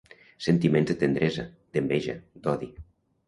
Sentiments de tendresa, d'enveja, d'odi.